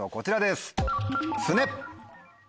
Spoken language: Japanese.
すね。